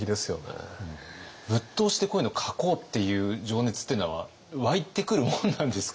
ぶっ通しでこういうのを描こうっていう情熱っていうのは湧いてくるもんなんですか？